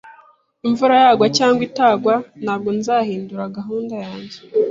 Imvura yagwa cyangwa itagwa, ntabwo nzahindura gahunda yanjye.